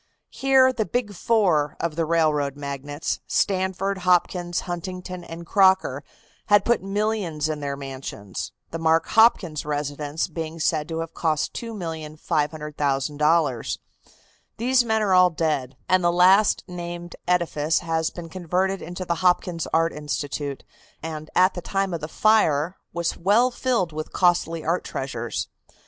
Here the "big four" of the railroad magnates Stanford, Hopkins, Huntington and Crocker had put millions in their mansions, the Mark Hopkins residence being said to have cost $2,500,000. These men are all dead, and the last named edifice has been converted into the Hopkins Art Institute, and at the time of the fire was well filled with costly art treasures.